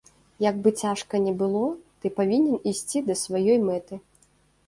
Як бы цяжка не было, ты павінен ісці да сваёй мэты.